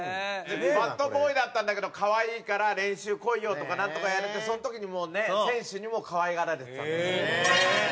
バットボーイだったんだけど可愛いから練習来いよとかなんとか言われてその時にもうね選手にも可愛がられてたんだって。